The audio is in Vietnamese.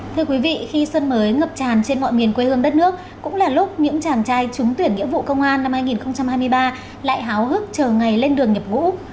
thưa quý vị khi xuân mới ngập tràn trên mọi miền quê hương đất nước cũng là lúc những chàng trai trúng tuyển nghĩa vụ công an năm hai nghìn hai mươi ba lại háo hức chờ ngày lên đường nhập ngũ